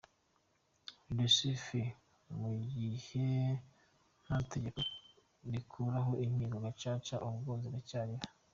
De ce fait mu gihe nta tegeko rikuraho inkiko gacaca ubwo ziracyariho.